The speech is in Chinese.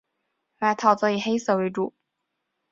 外套则以黑色为主。